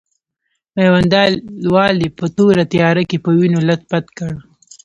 میوندوال یې په توره تیاره کې په وینو لت پت کړ.